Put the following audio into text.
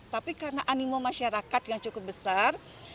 tapi karena animo masyarakat yang cukup besar